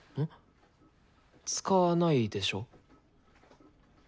使わないでしょ？